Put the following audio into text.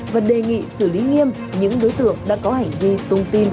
và đề nghị xử lý nghiêm những đối tượng đã có hành vi sung tin